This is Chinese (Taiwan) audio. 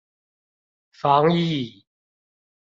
防疫